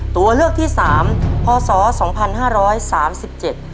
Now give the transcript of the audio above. ตัวเลือกที่สามพศสองพันห้าร้อยสามสิบเจ็ด